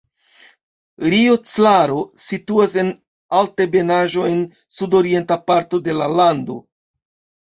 Rio Claro situas en altebenaĵo en sudorienta parto de la lando.